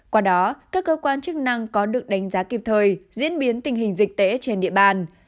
qua đó các cơ quan chức năng có được đánh giá kịp thời diễn biến tình hình dịch tễ trên địa bàn